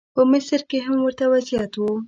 په مصر کې هم ورته وضعیت و.